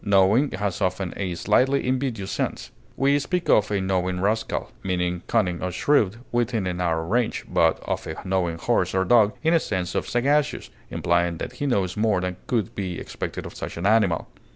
Knowing has often a slightly invidious sense. We speak of a knowing rascal, meaning cunning or shrewd within a narrow range, but of a knowing horse or dog, in the sense of sagacious, implying that he knows more than could be expected of such an animal.